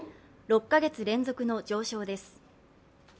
６カ月連続の上昇です。